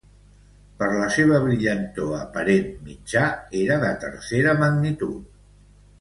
Per la seva brillantor aparent mitjà era de tercera magnitud.